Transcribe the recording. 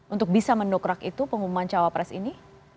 untuk bisa mendokrak itu pengumuman cawapres ini